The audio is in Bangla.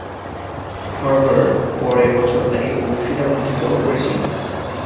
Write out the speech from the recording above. হার্ভার্ড পরের বছর তাকে অংশীদার ভূষিত করেছিলো।